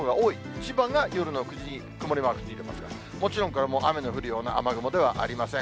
千葉が夜の９時に曇りマークついてますが、もちろんこれも雨の降るような雨雲ではありません。